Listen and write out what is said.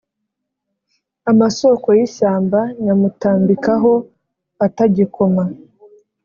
Amasoko y’ishyamba nyamutambikaho atagikoma.